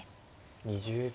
２０秒。